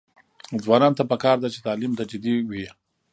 ځوانانو ته پکار ده چې، تعلیم ته جدي وي.